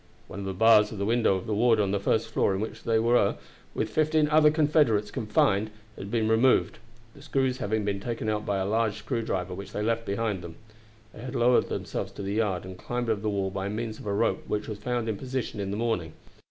One of the bars of the window of the ward on the first floor in which they were, with fifteen other Confederate officers, confined, had been removed; the screws having been taken out by a large screw driver which they left behind them. They had lowered themselves to the yard, and climbed over the wall by means of a rope which was found in position in the morning.